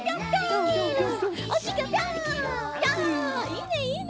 いいねいいね！